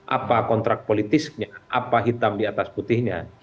apa kontrak politisnya apa hitam di atas putihnya